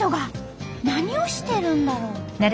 何をしてるんだろう？